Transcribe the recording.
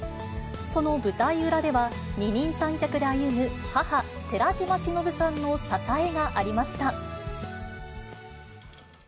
その舞台裏では、二人三脚で歩む母、寺島しのぶさんの支えがありました。